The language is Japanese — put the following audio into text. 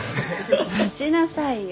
待ちなさいよ！